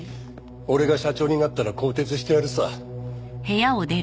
俺が社長になったら更迭してやるさ。